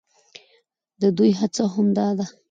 د دوى هڅه هم دا ده،